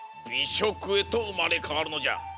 しょくへとうまれかわるのじゃ。